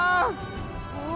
うわ。